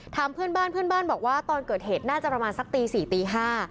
ถามเพื่อนบ้านเพื่อนบ้านบอกว่าตอนเกิดเหตุน่าจะประมาณสักตีสี่ตีห้า